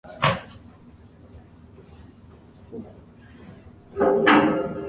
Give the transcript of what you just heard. They often, but not always, form dense single-species woodlands.